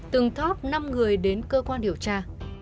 từng top năm người đến cơ quan điều tra